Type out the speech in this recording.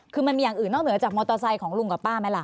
คือมันมีอย่างอื่นนอกเหนือจากมอเตอร์ไซค์ของลุงกับป้าไหมล่ะ